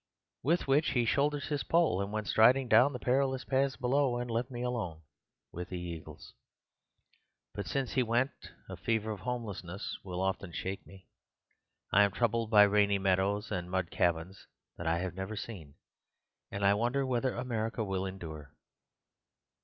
"With which he shouldered his pole and went striding down the perilous paths below, and left me alone with the eagles. But since he went a fever of homelessness will often shake me. I am troubled by rainy meadows and mud cabins that I have never seen; and I wonder whether America will endure.